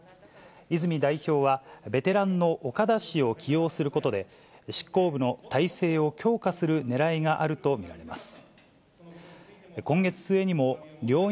泉代表は、ベテランの岡田氏を起用することで、執行部の体制を強化するねらいがあると見られます。